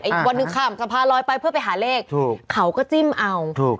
ไอ้วันนึกค่ะมันจะพาร้อยไปเพื่อไปหาเลขถูกเขาก็จิ้มเอาถูก